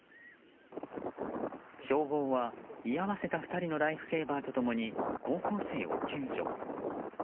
消防は、居合わせた２人のライフセーバーと共に高校生を救助。